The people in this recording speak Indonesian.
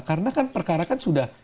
karena kan perkara kan sudah